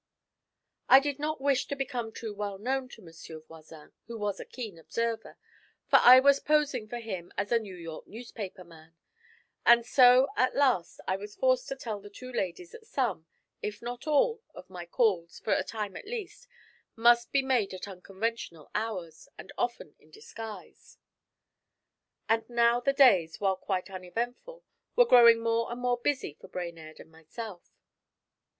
I did not wish to become too well known to Monsieur Voisin, who was a keen observer, for I was posing for him as a 'New York newspaper man,' and so at last I was forced to tell the two ladies that some, if not all, of my calls, for a time at least, must be made at unconventional hours, and often in disguise. And now the days, while quite uneventful, were growing more and more busy for Brainerd and myself.